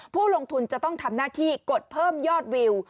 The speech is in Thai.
ผู้ลงทุนจะต้องทำหน้าที่กดเพิ่มยอดวิว